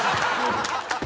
ハハハハ！